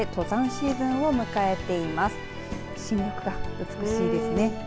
新緑が美しいですね。